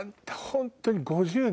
本当に。